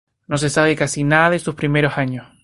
No se sabe casi nada de sus primeros años.